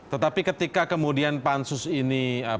tetapi ketika kemudian pansus ini